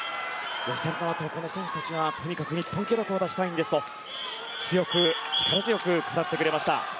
予選のあと、この選手たちがとにかく日本記録を出したいんですと強く力強く語ってくれました。